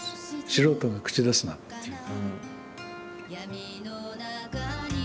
素人が口出すなっていう。